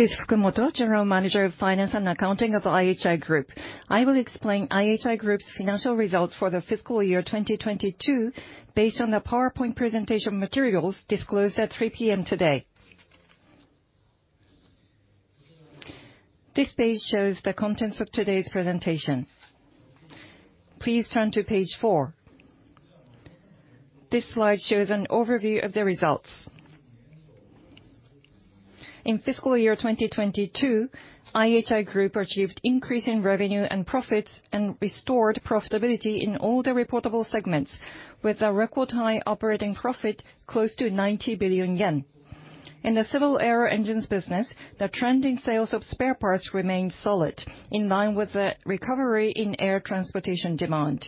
This is Fukumoto, General Manager of Finance and Accounting of IHI Group. I will explain IHI Group's financial results for the fiscal year 2022 based on the PowerPoint presentation materials disclosed at 3:00 P.M. today. This page shows the contents of today's presentation. Please turn to page four. This slide shows an overview of the results. In fiscal year 2022, IHI Group achieved increase in revenue and profits and restored profitability in all the reportable segments, with a record high operating profit close to 90 billion yen. In the civil aero engines business, the trending sales of spare parts remained solid, in line with the recovery in air transportation demand.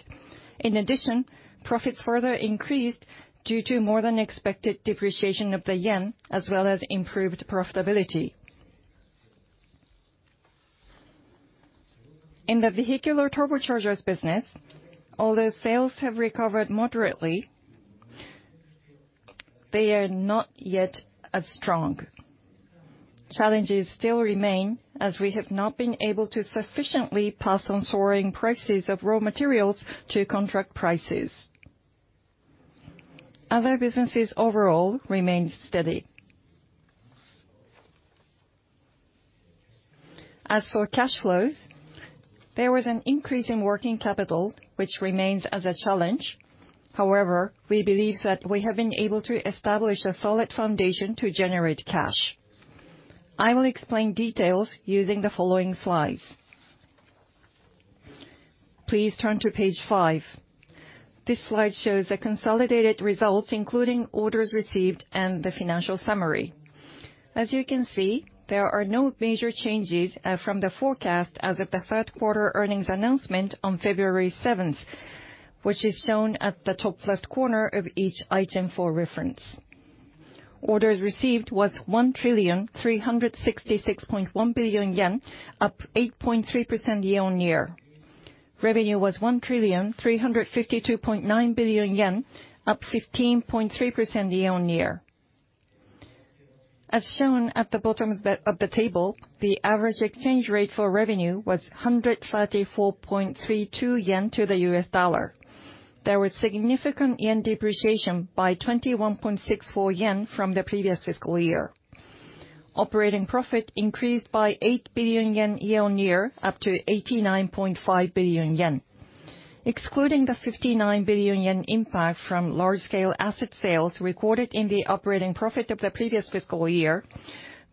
Profits further increased due to more than expected depreciation of the yen, as well as improved profitability. In the vehicular turbochargers business, although sales have recovered moderately, they are not yet as strong. Challenges still remain, as we have not been able to sufficiently pass on soaring prices of raw materials to contract prices. Other businesses overall remained steady. As for cash flows, there was an increase in working capital, which remains as a challenge. However, we believe that we have been able to establish a solid foundation to generate cash. I will explain details using the following slides. Please turn to page 5. This slide shows the consolidated results, including orders received and the financial summary. As you can see, there are no major changes from the forecast as of the third quarter earnings announcement on February 7th, which is shown at the top left corner of each item for reference. Orders received was 1,366.1 billion yen, up 8.3% year-on-year. Revenue was 1,352.9 billion yen, up 15.3% year-on-year. As shown at the bottom of the table, the average exchange rate for revenue was 134.32 yen to the US dollar. There was significant yen depreciation by 21.64 yen from the previous fiscal year. Operating profit increased by eight billion yen year-on-year up to 89.5 billion yen. Excluding the 59 billion yen impact from large scale asset sales recorded in the operating profit of the previous fiscal year,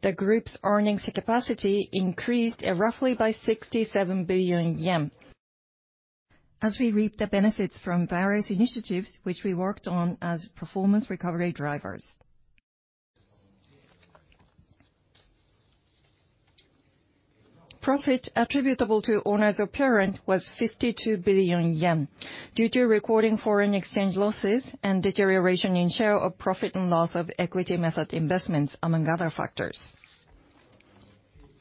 the group's earnings capacity increased roughly by 67 billion yen, as we reap the benefits from various initiatives which we worked on as performance recovery drivers. Profit attributable to owners of parent was 52 billion yen due to recording foreign exchange losses and deterioration in share of profit and loss of equity method investments, among other factors.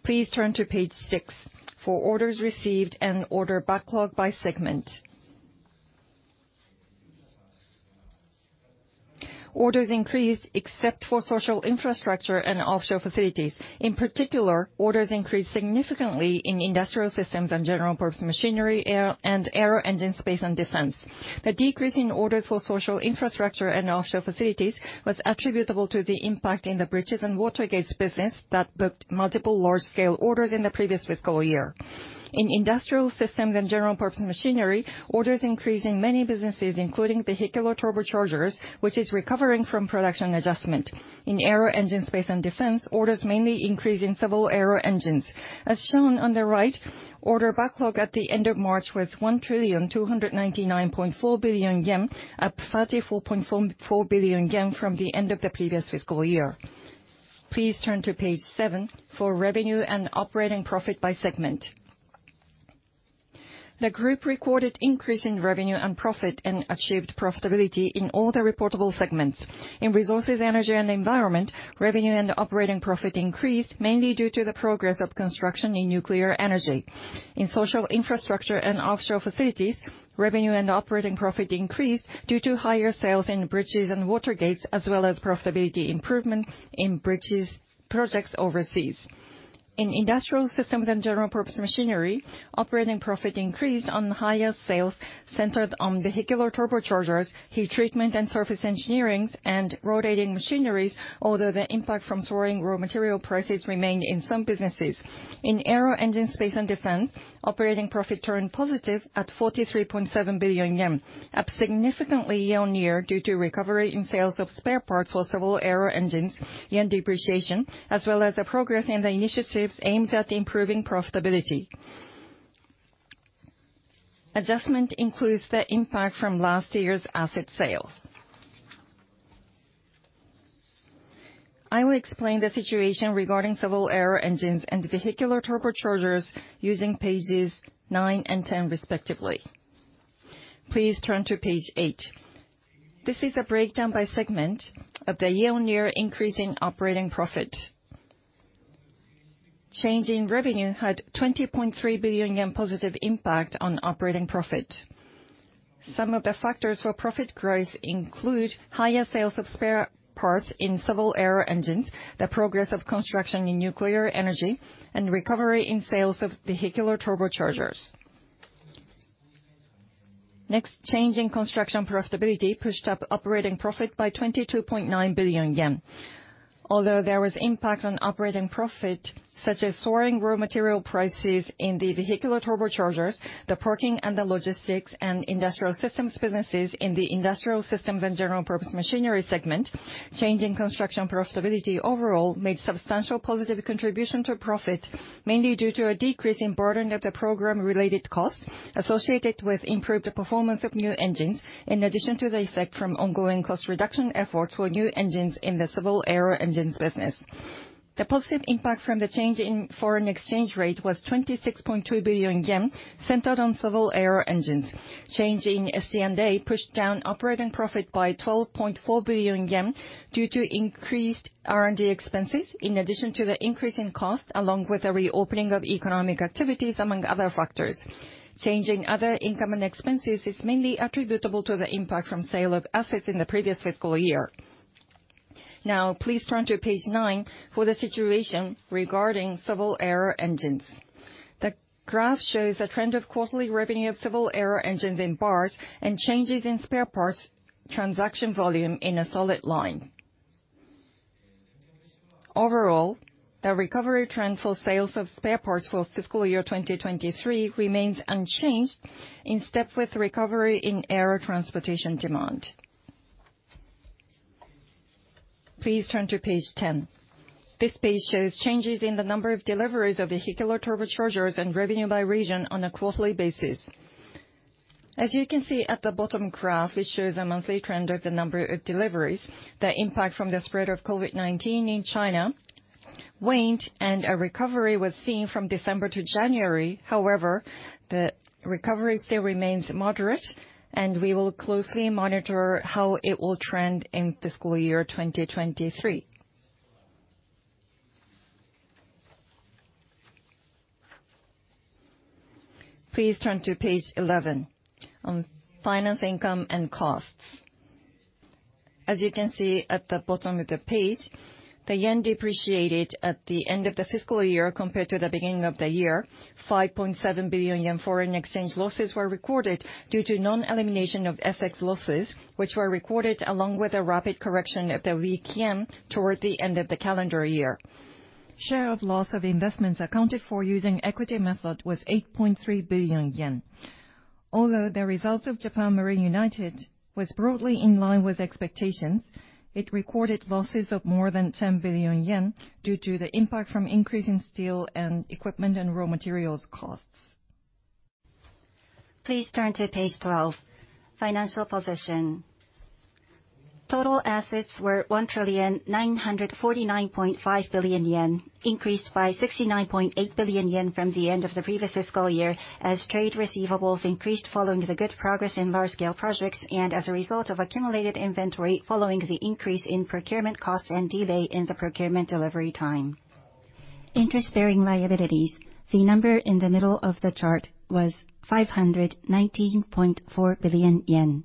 Please turn to page 6 for orders received and order backlog by segment. Orders increased except for Social Infrastructure and Offshore Facilities. In particular, orders increased significantly in Industrial Systems and General-Purpose Machinery, air, and Aero Engine, Space and Defense. The decrease in orders for Social Infrastructure and Offshore Facilities was attributable to the impact in the Bridges and Watergates business that booked multiple large scale orders in the previous fiscal year. In Industrial Systems and General-Purpose Machinery, orders increased in many businesses, including vehicular turbochargers, which is recovering from production adjustment. In Aero Engine, Space and Defense, orders mainly increased in civil aero engines. As shown on the right, order backlog at the end of March was 1,299.4 billion yen, up 34.44 billion yen from the end of the previous fiscal year. Please turn to page seven for revenue and operating profit by segment. The group recorded increase in revenue and profit and achieved profitability in all the reportable segments. In Resources, Energy and Environment, revenue and operating profit increased, mainly due to the progress of construction in nuclear energy. In Social Infrastructure and Offshore Facilities, revenue and operating profit increased due to higher sales in Bridges and Watergates, as well as profitability improvement in bridges projects overseas. In Industrial Systems and General-Purpose Machinery, operating profit increased on higher sales centered on vehicular turbochargers, Heat Treatment and Surface Engineering, and rotating machinery, although the impact from soaring raw material prices remained in some businesses. In Aero Engine, Space and Defense, operating profit turned positive at 43.7 billion yen, up significantly year-on-year due to recovery in sales of spare parts for civil aero engines, yen depreciation, as well as the progress in the initiatives aimed at improving profitability. Adjustment includes the impact from last year's asset sales. I will explain the situation regarding civil aero engines and vehicular turbochargers using pages 9 and 10 respectively. Please turn to page eight. This is a breakdown by segment of the year-on-year increase in operating profit. Change in revenue had 20.3 billion yen positive impact on operating profit. Some of the factors for profit growth include higher sales of spare parts in civil aero engines, the progress of construction in nuclear energy, and recovery in sales of vehicular turbochargers. Change in construction profitability pushed up operating profit by 22.9 billion yen. Although there was impact on operating profit, such as soaring raw material prices in the vehicular turbochargers, the parking and Logistics Systems and industrial systems businesses in the Industrial Systems and General-Purpose Machinery segment, change in construction profitability overall made substantial positive contribution to profit, mainly due to a decrease in burden of the program-related costs associated with improved performance of new engines, in addition to the effect from ongoing cost reduction efforts for new engines in the civil aero engines business. The positive impact from the change in foreign exchange rate was 26.2 billion yen, centered on civil aero engines. Change in SG&A pushed down operating profit by 12.4 billion yen due to increased R&D expenses, in addition to the increase in cost, along with the reopening of economic activities, among other factors. Change in other income and expenses is mainly attributable to the impact from sale of assets in the previous fiscal year. Now please turn to page nine for the situation regarding civil aero engines. The graph shows a trend of quarterly revenue of civil aero engines in bars and changes in spare parts transaction volume in a solid line. Overall, the recovery trend for sales of spare parts for fiscal year 2023 remains unchanged, in step with recovery in air transportation demand. Please turn to page 10. This page shows changes in the number of deliveries of vehicular turbochargers and revenue by region on a quarterly basis. As you can see at the bottom graph, which shows a monthly trend of the number of deliveries, the impact from the spread of COVID-19 in China waned, and a recovery was seen from December to January. However, the recovery still remains moderate, and we will closely monitor how it will trend in fiscal year 2023. Please turn to page 11 on finance income and costs. As you can see at the bottom of the page, the yen depreciated at the end of the fiscal year compared to the beginning of the year. 5.7 billion yen foreign exchange losses were recorded due to non-elimination of FX losses, which were recorded along with a rapid correction of the weak yen toward the end of the calendar year. Share of loss of investments accounted for using equity method was 8.3 billion yen. Although the results of Japan Marine United was broadly in line with expectations, it recorded losses of more than 10 billion yen due to the impact from increasing steel and equipment and raw materials costs. Please turn to page 12, financial position. Total assets were 1,949.5 billion yen, increased by 69.8 billion yen from the end of the previous fiscal year, as trade receivables increased following the good progress in large-scale projects and as a result of accumulated inventory following the increase in procurement costs and delay in the procurement delivery time. Interest-bearing liabilities, the number in the middle of the chart, was 519.4 billion yen.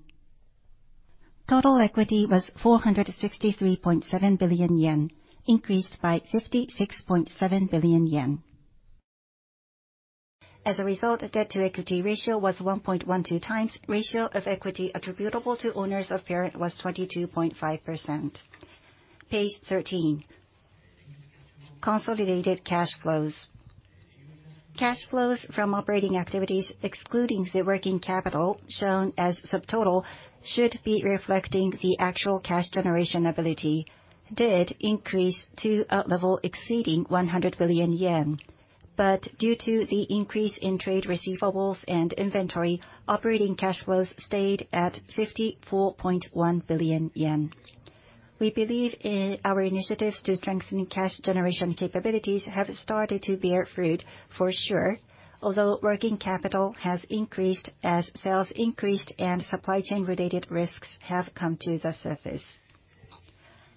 Total equity was 463.7 billion yen, increased by 56.7 billion yen. As a result, debt-to-equity ratio was 1.12 times. Ratio of equity attributable to owners of parent was 22.5%. Page 13, consolidated cash flows. Cash flows from operating activities, excluding the working capital shown as subtotal, should be reflecting the actual cash generation ability, did increase to a level exceeding 100 billion yen. Due to the increase in trade receivables and inventory, operating cash flows stayed at 54.1 billion yen. We believe our initiatives to strengthen cash generation capabilities have started to bear fruit for sure, although working capital has increased as sales increased and supply chain-related risks have come to the surface.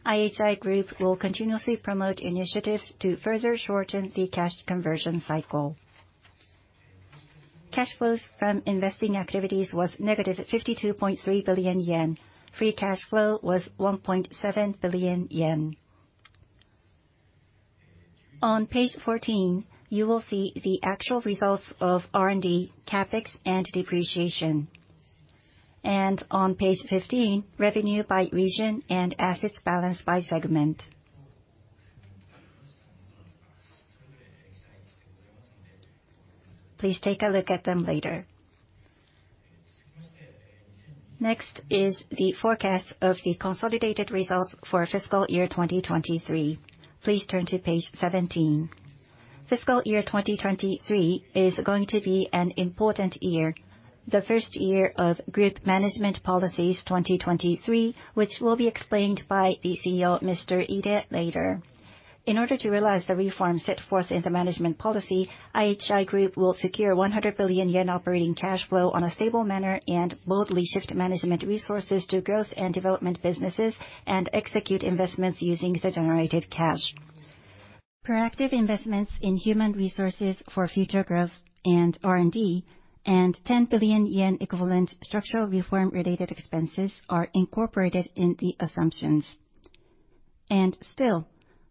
IHI Group will continuously promote initiatives to further shorten the cash conversion cycle. Cash flows from investing activities was negative 52.3 billion yen. Free cash flow was 1.7 billion yen. On Page 14, you will see the actual results of R&D, CapEx and depreciation. On page 15, revenue by region and assets balanced by segment. Please take a look at them later. Next is the forecast of the consolidated results for fiscal year 2023. Please turn to page 17. Fiscal year 2023 is going to be an important year, the first year of Group Management Policies 2023, which will be explained by the CEO, Mr. Ide, later. In order to realize the reform set forth in the management policy, IHI Group will secure 100 billion yen operating cash flow on a stable manner and boldly shift management resources to growth and development businesses and execute investments using the generated cash. Proactive investments in human resources for future growth and R&D, 10 billion yen equivalent structural reform related expenses are incorporated in the assumptions, still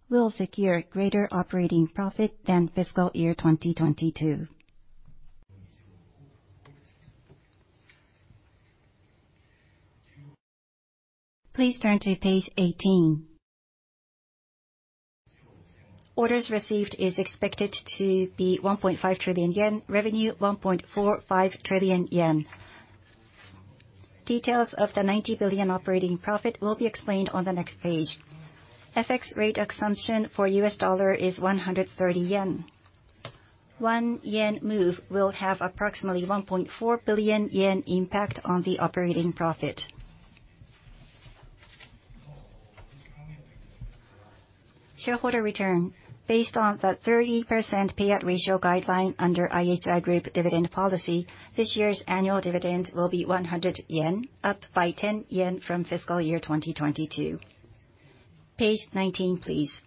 will secure greater operating profit than fiscal year 2022. Please turn to page 18. Orders received is expected to be 1.5 trillion yen. Revenue, 1.45 trillion yen. Details of the 90 billion operating profit will be explained on the next page. FX rate assumption for US dollar is 130 yen. 1 yen move will have approximately 1.4 billion yen impact on the operating profit. Shareholder return. Based on the 30% payout ratio guideline under IHI Group dividend policy, this year's annual dividend will be 100 yen, up by 10 yen from fiscal year 2022. Page 19, please.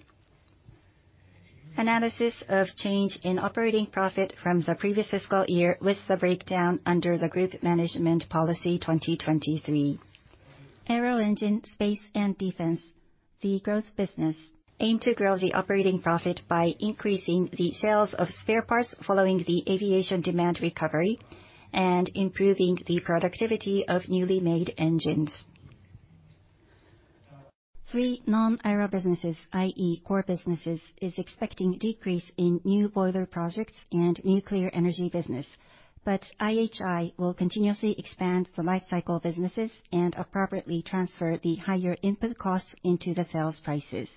Analysis of change in operating profit from the previous fiscal year with the breakdown under the Group Management Policy 2023. Aero Engine, Space, and Defense, the growth business, aim to grow the operating profit by increasing the sales of spare parts following the aviation demand recovery and improving the productivity of newly made engines. Three non-aero businesses, i.e. core businesses, is expecting decrease in new boiler projects and nuclear energy business. IHI will continuously expand the life cycle businesses and appropriately transfer the higher input costs into the sales prices.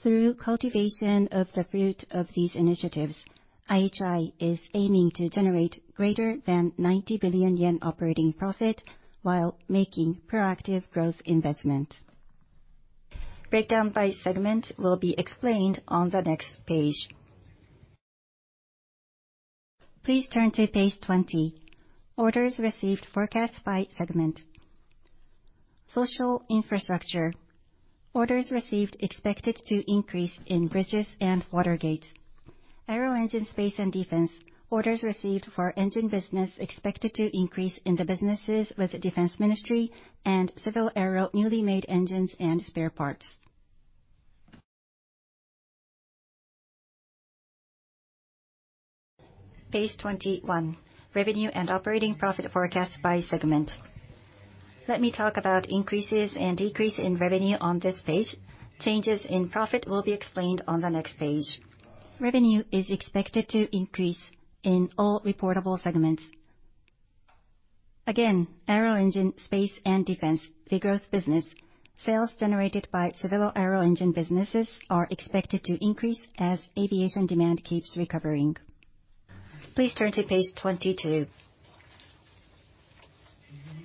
Through cultivation of the fruit of these initiatives, IHI is aiming to generate greater than 90 billion yen operating profit while making proactive growth investment. Breakdown by segment will be explained on the next page. Please turn to page 20. Orders received forecast by segment. Social Infrastructure. Orders received expected to increase in Bridges and Watergates. Aero Engine, Space and Defense. Orders received for engine business expected to increase in the businesses with the defense ministry and civil aero newly made engines and spare parts. Page 21. Revenue and operating profit forecast by segment. Let me talk about increases and decrease in revenue on this page. Changes in profit will be explained on the next page. Revenue is expected to increase in all reportable segments. Again, Aero Engine, Space, and Defense, the growth business. Sales generated by civil aero engine businesses are expected to increase as aviation demand keeps recovering. Please turn to page 22.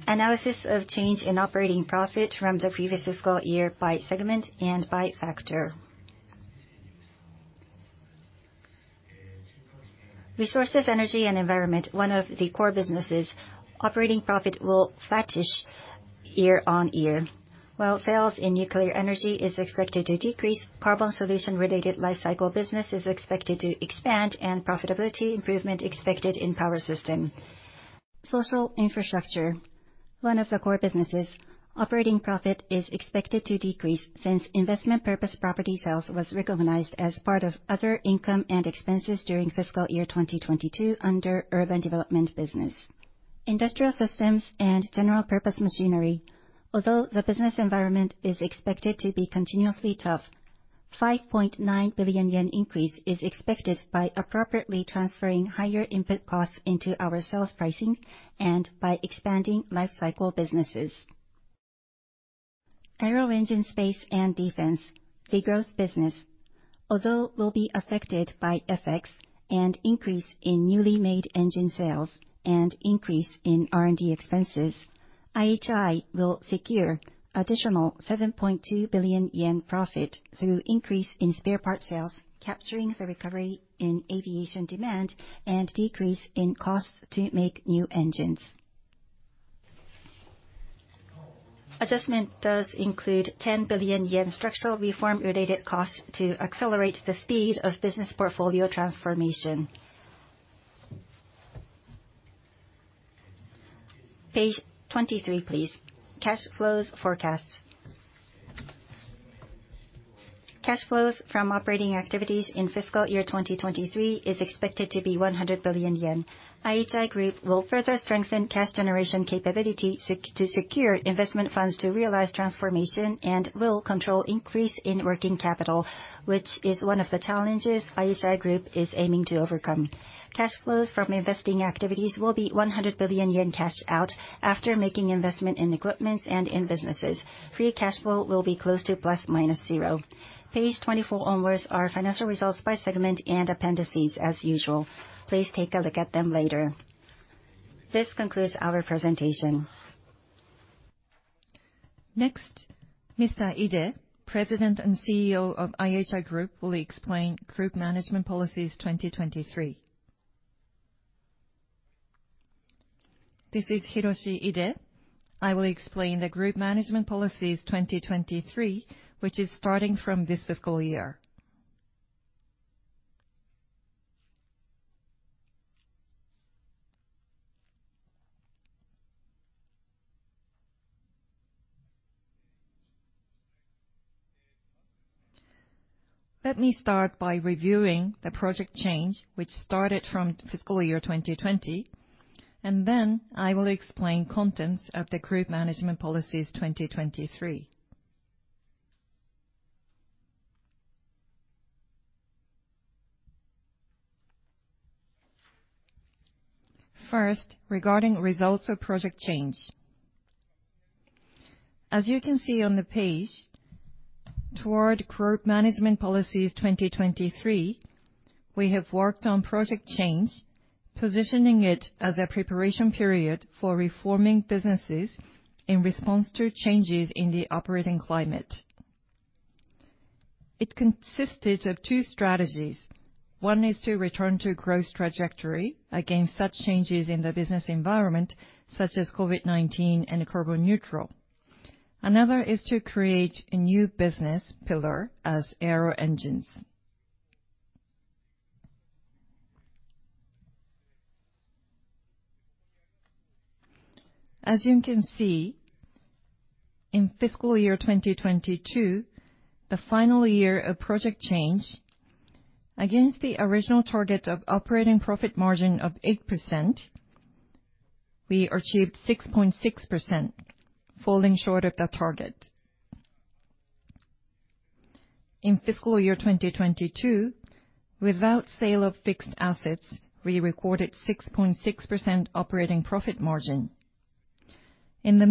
Analysis of change in operating profit from the previous fiscal year by segment and by factor. Resources, Energy and Environment, one of the core businesses, operating profit will flattish year-on-year, while sales in nuclear energy is expected to decrease, Carbon Solutions related life cycle business is expected to expand and profitability improvement expected in Power Systems. Social Infrastructure, one of the core businesses, operating profit is expected to decrease since investment purpose property sales was recognized as part of other income and expenses during fiscal year 2022 under Urban Development business. Industrial Systems and General-Purpose Machinery. Although the business environment is expected to be continuously tough, 5.9 billion yen increase is expected by appropriately transferring higher input costs into our sales pricing and by expanding life cycle businesses. Aero Engine, Space and Defense, the growth business, although will be affected by effects and increase in newly made engine sales and increase in R&D expenses, IHI will secure additional 7.2 billion yen profit through increase in spare parts sales, capturing the recovery in aviation demand and decrease in costs to make new engines. Adjustment does include 10 billion yen structural reform related costs to accelerate the speed of business portfolio transformation. Page 23, please. Cash flows forecast. Cash flows from operating activities in fiscal year 2023 is expected to be 100 billion yen. IHI Group will further strengthen cash generation capability to secure investment funds to realize transformation and will control increase in working capital, which is one of the challenges IHI Group is aiming to overcome. Cash flows from investing activities will be 100 billion yen cash out after making investment in equipment and in businesses. Free cash flow will be close to ±0. Page 24 onwards are financial results by segment and appendices as usual. Please take a look at them later. This concludes our presentation. Mr. Ide, President and CEO of IHI Group, will explain Group Management Policies 2023. This is Hiroshi Ide. I will explain the Group Management Policies 2023, which is starting from this fiscal year. Let me start by reviewing the Project Change, which started from fiscal year 2020, and then I will explain contents of the Group Management Policies 2023. Regarding results of Project Change. As you can see on the page, toward Group Management Policies 2023, we have worked on Project Change, positioning it as a preparation period for reforming businesses in response to changes in the operating climate. It consisted of 2 strategies. One is to return to growth trajectory against such changes in the business environment, such as COVID-19 and carbon neutral. Is to create a new business pillar as Aero Engines. As you can see, in fiscal year 2022, the final year of Project Change, against the original target of operating profit margin of 8%, we achieved 6.6%, falling short of the target. In fiscal year 2022, without sale of fixed assets, we recorded 6.6% operating profit margin. As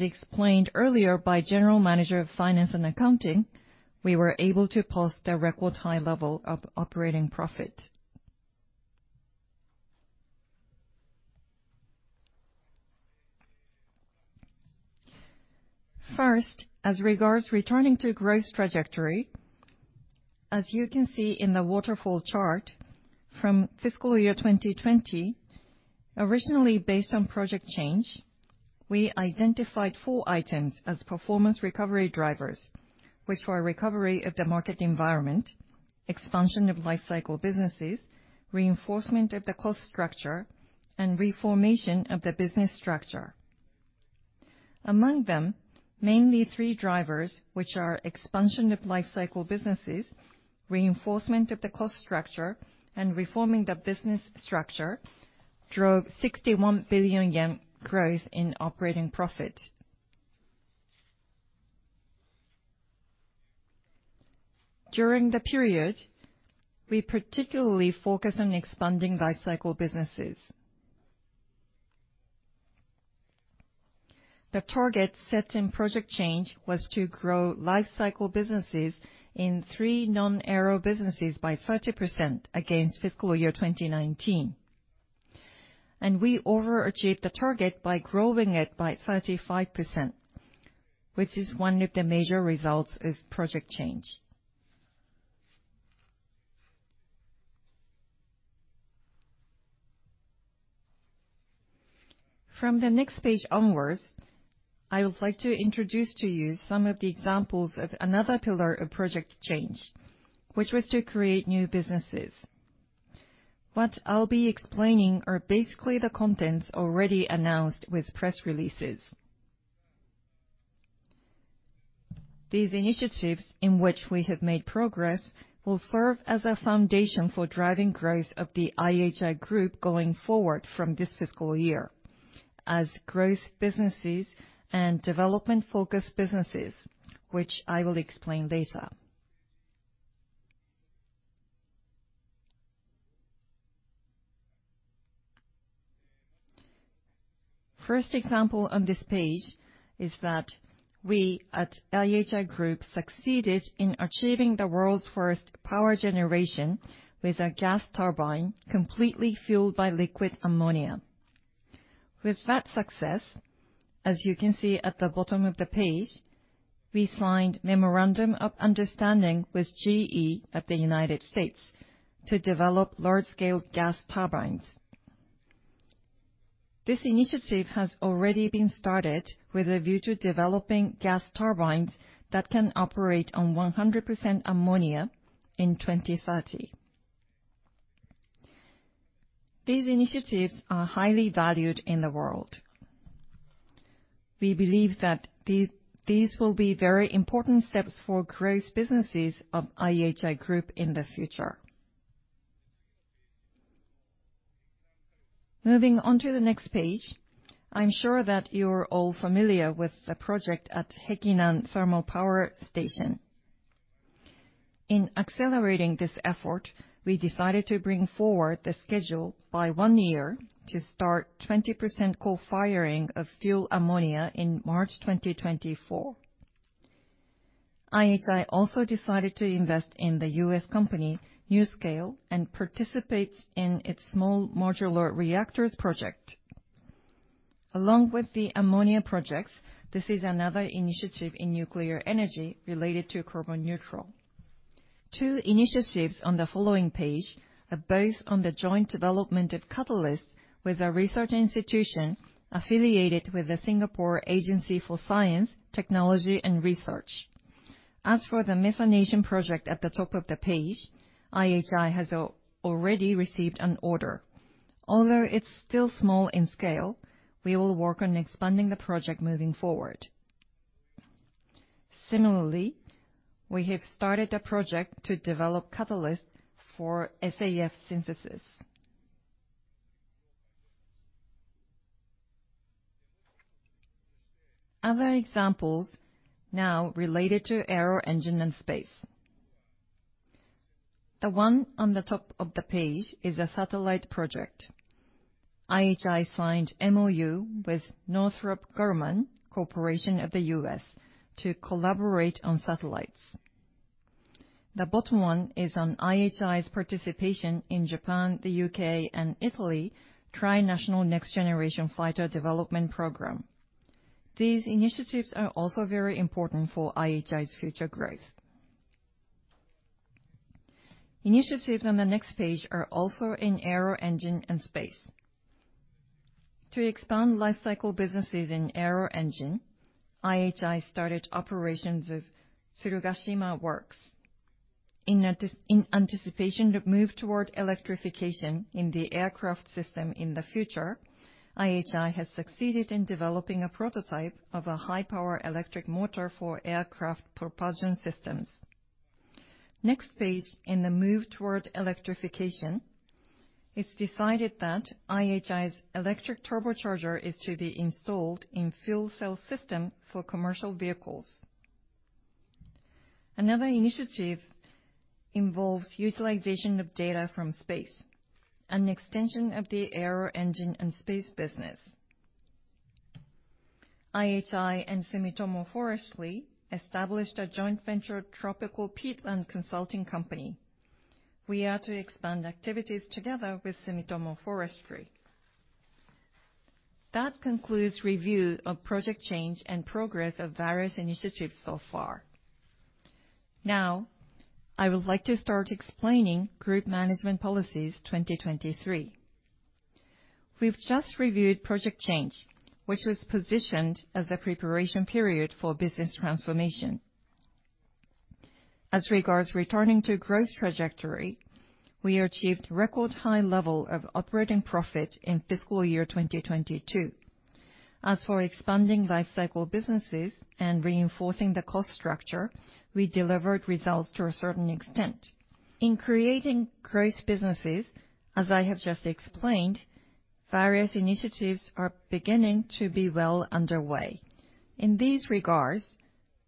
explained earlier by General Manager of Finance and Accounting, we were able to post the record high level of operating profit. First, as regards returning to growth trajectory, as you can see in the waterfall chart from fiscal year 2020, originally based on Project Change, we identified four items as performance recovery drivers, which were recovery of the market environment, expansion of life cycle businesses, reinforcement of the cost structure, and reformation of the business structure. Among them, mainly three drivers, which are expansion of life cycle businesses, reinforcement of the cost structure, and reforming the business structure, drove 61 billion yen growth in operating profit. During the period, we particularly focused on expanding life cycle businesses. The target set in Project Change was to grow life cycle businesses in three non-Aero businesses by 30% against fiscal year 2019. We overachieved the target by growing it by 35%, which is one of the major results of Project Change. From the next page onwards, I would like to introduce to you some of the examples of another pillar of Project Change, which was to create new businesses. What I'll be explaining are basically the contents already announced with press releases. These initiatives in which we have made progress will serve as a foundation for driving growth of the IHI Group going forward from this fiscal year as growth businesses and development-focused businesses, which I will explain later. First example on this page is that we at IHI Group succeeded in achieving the world's first power generation with a gas turbine completely fueled by liquid ammonia. With that success, as you can see at the bottom of the page, we signed memorandum of understanding with GE of the United States to develop large-scale gas turbines. This initiative has already been started with a view to developing gas turbines that can operate on 100% ammonia in 2030. These initiatives are highly valued in the world. We believe that these will be very important steps for growth businesses of IHI Group in the future. Moving on to the next page, I'm sure that you're all familiar with the project at Hekinan Thermal Power Station. In accelerating this effort, we decided to bring forward the schedule by one year to start 20% co-firing of fuel ammonia in March 2024. IHI also decided to invest in the US company NuScale and participates in its small modular reactors project. Along with the ammonia projects, this is another initiative in nuclear energy related to carbon neutral. Two initiatives on the following page are both on the joint development of catalysts with a research institution affiliated with the Singapore Agency for Science, Technology, and Research. As for the methanation project at the top of the page, IHI has already received an order. Although it's still small in scale, we will work on expanding the project moving forward. Similarly, we have started a project to develop catalyst for SAF synthesis. Other examples related to Aero Engine and Space. The one on the top of the page is a satellite project. IHI signed MOU with Northrop Grumman Corporation of the US to collaborate on satellites. The bottom one is on IHI's participation in Japan, the U.K., and Italy tri-national next generation fighter development program. These initiatives are also very important for IHI's future growth. Initiatives on the next page are also in Aero Engine and Space. To expand life cycle businesses in Aero Engine, IHI started operations of Tsurugashima Works. In anticipation to move toward electrification in the aircraft system in the future, IHI has succeeded in developing a prototype of a high-power electric motor for aircraft propulsion systems. Next page, in the move toward electrification, it's decided that IHI's Electric Turbocharger is to be installed in fuel cell system for commercial vehicles. Another initiative involves utilization of data from space, an extension of the aero engine and space business. IHI and Sumitomo Forestry established a joint venture tropical peatland consulting company. We are to expand activities together with Sumitomo Forestry. That concludes review of Project Change and progress of various initiatives so far. I would like to start explaining Group Management Policies 2023. We've just reviewed Project Change, which was positioned as a preparation period for business transformation. As regards returning to growth trajectory, we achieved record high level of operating profit in fiscal year 2022. As for expanding life cycle businesses and reinforcing the cost structure, we delivered results to a certain extent. In creating growth businesses, as I have just explained, various initiatives are beginning to be well underway. In these regards,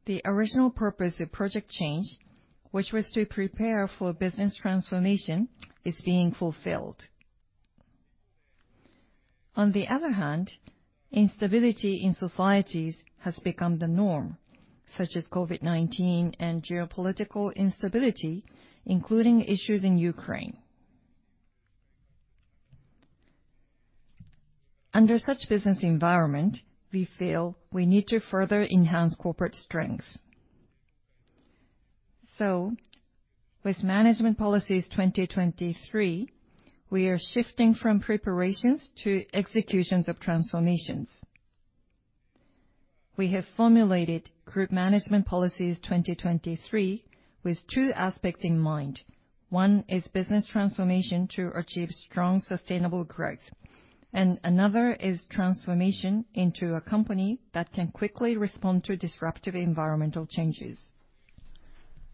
the original purpose of Project Change, which was to prepare for business transformation, is being fulfilled. On the other hand, instability in societies has become the norm, such as COVID-19 and geopolitical instability, including issues in Ukraine. Under such business environment, we feel we need to further enhance corporate strengths. With Group Management Policies 2023, we are shifting from preparations to executions of transformations. We have formulated Group Management Policies 2023 with two aspects in mind. One is business transformation to achieve strong, sustainable growth, and another is transformation into a company that can quickly respond to disruptive environmental changes.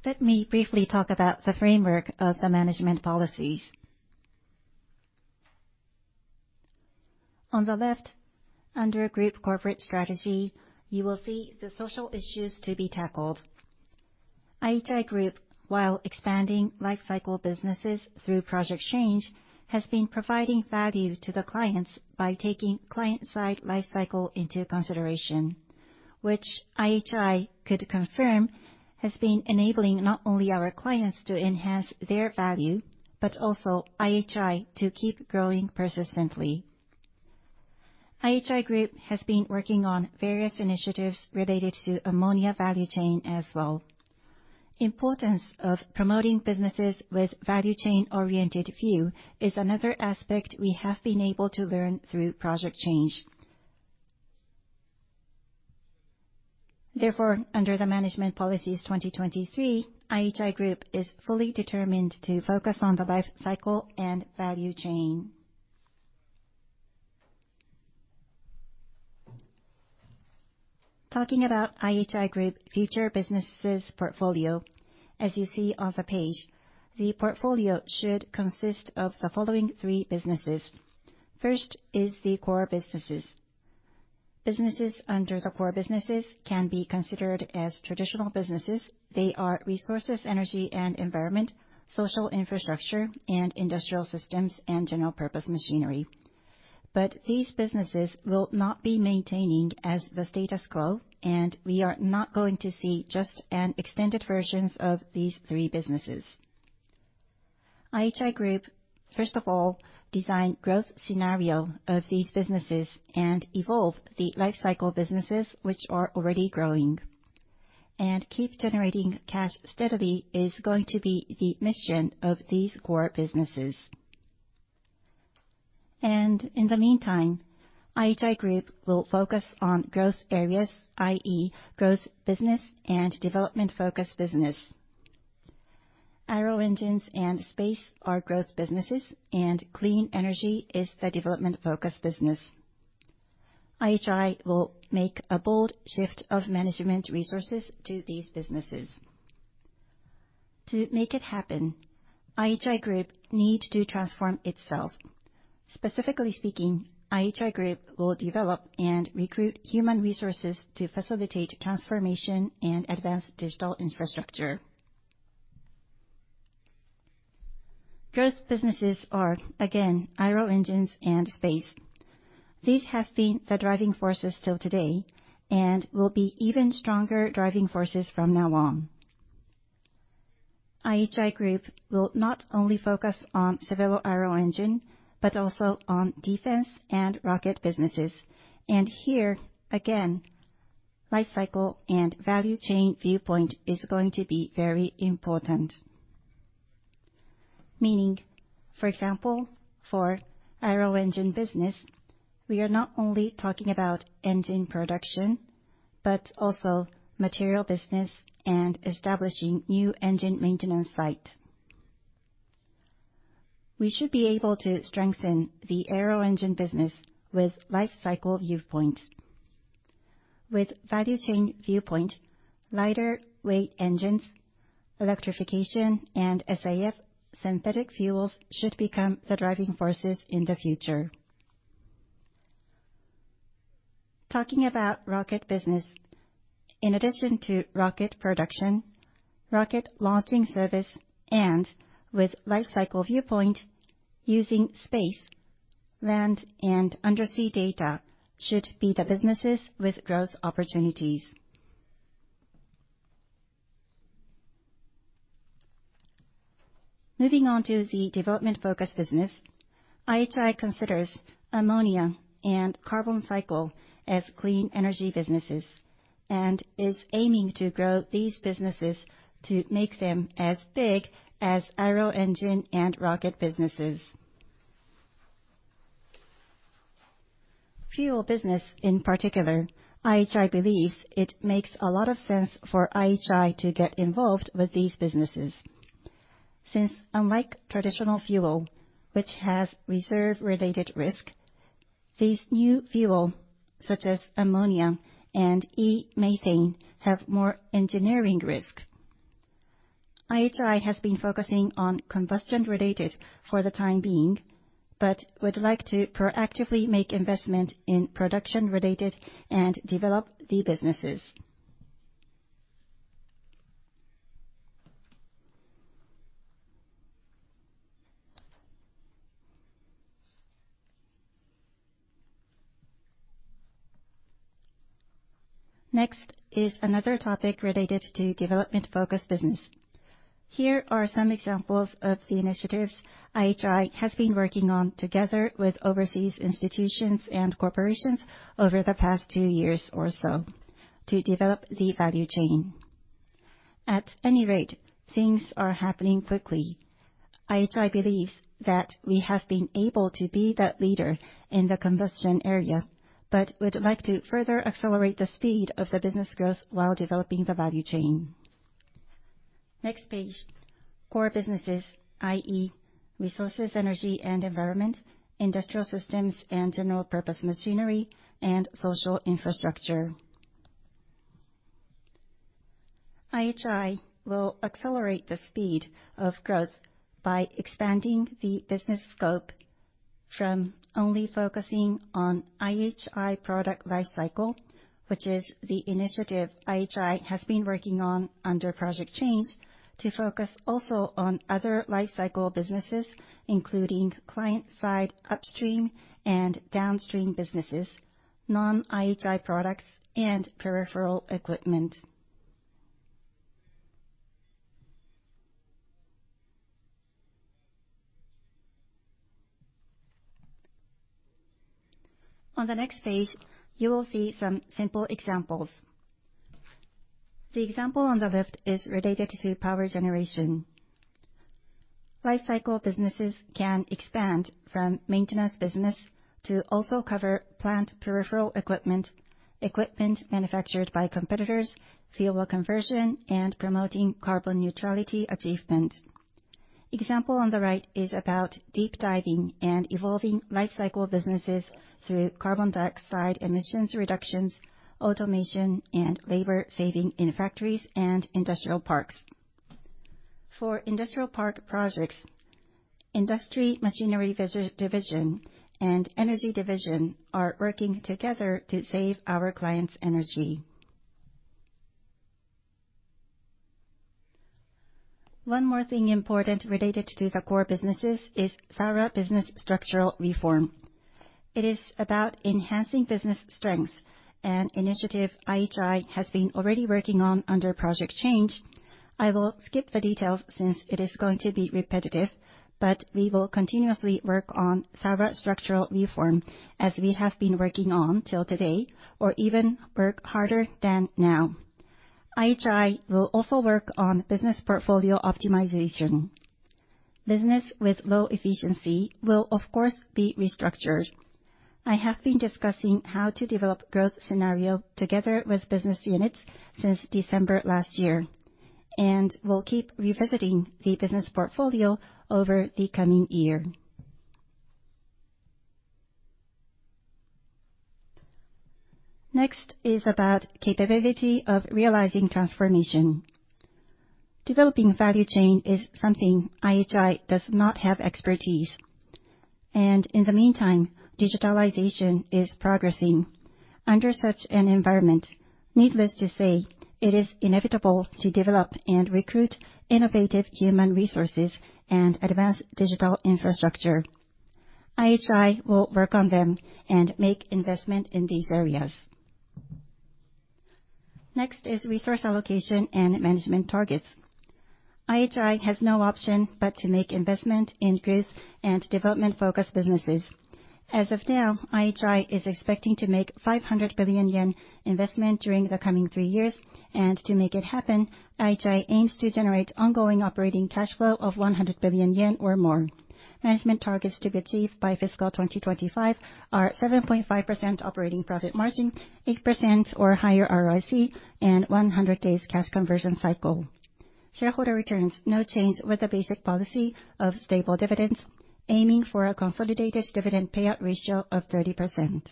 Let me briefly talk about the framework of the management policies. On the left, under group corporate strategy, you will see the social issues to be tackled. IHI Group, while expanding life cycle businesses through Project Change, has been providing value to the clients by taking client-side life cycle into consideration, which IHI could confirm has been enabling not only our clients to enhance their value, but also IHI to keep growing persistently. IHI Group has been working on various initiatives related to ammonia value chain as well. Importance of promoting businesses with value chain-oriented view is another aspect we have been able to learn through Project Change. Under the Group Management Policies 2023, IHI Group is fully determined to focus on the life cycle and value chain. Talking about IHI Group future businesses portfolio, as you see on the page, the portfolio should consist of the following three businesses. First is the core businesses. Businesses under the core businesses can be considered as traditional businesses. They are Resources, Energy and Environment, Social Infrastructure, and Industrial Systems and General-Purpose Machinery. These businesses will not be maintaining as the status quo, and we are not going to see just an extended versions of these three businesses. IHI Group, first of all, design growth scenario of these businesses and evolve the life cycle businesses which are already growing and keep generating cash steadily is going to be the mission of these core businesses. In the meantime, IHI Group will focus on growth areas, i.e. growth business and development focused business. Aero Engines and Space are growth businesses, and clean energy is the development focused business. IHI will make a bold shift of management resources to these businesses. To make it happen, IHI Group need to transform itself. Specifically speaking, IHI Group will develop and recruit human resources to facilitate transformation and advance digital infrastructure. Growth businesses are, again, aero engines and space. These have been the driving forces till today and will be even stronger driving forces from now on. IHI Group will not only focus on civil aero engine, but also on defense and rocket businesses. Here again, life cycle and value chain viewpoint is going to be very important. Meaning, for example, for aero engine business, we are not only talking about engine production, but also material business and establishing new engine maintenance site. We should be able to strengthen the aero engine business with life cycle viewpoints. With value chain viewpoint, lighter weight engines, electrification and SAF synthetic fuels should become the driving forces in the future. Talking about rocket business, in addition to rocket production, rocket launching service and with life cycle viewpoint using space, land and undersea data should be the businesses with growth opportunities. Moving on to the development focused business, IHI considers ammonia and carbon recycling as clean energy businesses and is aiming to grow these businesses to make them as big as aero engine and rocket businesses. Fuel business in particular, IHI believes it makes a lot of sense for IHI to get involved with these businesses. Since unlike traditional fuel, which has reserve related risk, these new fuel such as ammonia and e-methane have more engineering risk. IHI has been focusing on combustion related for the time being, but would like to proactively make investment in production related and develop the businesses. Next is another topic related to development focused business. Here are some examples of the initiatives IHI has been working on together with overseas institutions and corporations over the past two years or so to develop the value chain. At any rate, things are happening quickly. IHI believes that we have been able to be the leader in the combustion area, but would like to further accelerate the speed of the business growth while developing the value chain. Next page, core businesses, i.e., Resources, Energy and Environment, Industrial Systems and General-Purpose Machinery and Social Infrastructure. IHI will accelerate the speed of growth by expanding the business scope from only focusing on IHI product life cycle, which is the initiative IHI has been working on under Project Change, to focus also on other life cycle businesses, including client side upstream and downstream businesses, non-IHI products and peripheral equipment. On the next page, you will see some simple examples. The example on the left is related to power generation. Life cycle businesses can expand from maintenance business to also cover plant peripheral equipment manufactured by competitors, fuel conversion and promoting carbon neutrality achievement. Example on the right is about deep diving and evolving life cycle businesses through carbon dioxide emissions reductions, automation and labor saving in factories and industrial parks. For industrial park projects, industry machinery division and energy division are working together to save our clients energy. One more thing important related to the core businesses is further business structural reform. It is about enhancing business strength and initiative IHI has been already working on under Project Change. I will skip the details since it is going to be repetitive, but we will continuously work on several structural reform as we have been working on till today, or even work harder than now. IHI will also work on business portfolio optimization. Business with low efficiency will of course be restructured. I have been discussing how to develop growth scenario together with business units since December last year, and will keep revisiting the business portfolio over the coming year. Next is about capability of realizing transformation. Developing value chain is something IHI does not have expertise, and in the meantime, digitalization is progressing. Under such an environment, needless to say, it is inevitable to develop and recruit innovative human resources and advanced digital infrastructure. IHI will work on them and make investment in these areas. Next is resource allocation and management targets. IHI has no option but to make investment in growth and development-focused businesses. As of now, IHI is expecting to make 500 billion yen investment during the coming three years and to make it happen, IHI aims to generate ongoing operating cash flow of 100 billion yen or more. Management targets to be achieved by fiscal 2025 are 7.5% operating profit margin, 8% or higher ROIC, and 100 days cash conversion cycle. Shareholder returns, no change with the basic policy of stable dividends, aiming for a consolidated dividend payout ratio of 30%.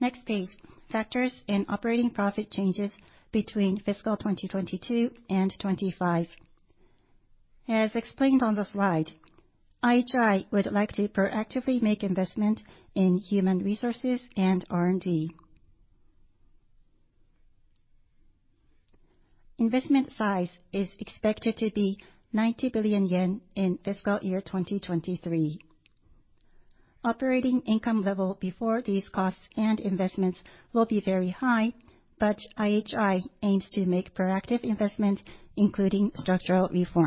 Next page, factors in operating profit changes between fiscal 2022 and 2025. As explained on the slide, IHI would like to proactively make investment in human resources and R&D. Investment size is expected to be 90 billion yen in fiscal year 2023. Operating income level before these costs and investments will be very high, but IHI aims to make proactive investment, including structural reforms.